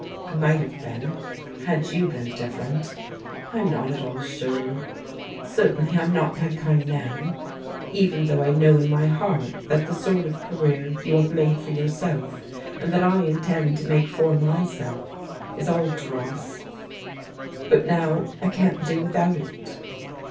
I might have been, had you been different. I'm not at all sure. Certainly I'm not that kind now, even though I know in my heart that the sort of career you have made for yourself, and that I intend to make for myself is all dross. But now I can't do without it."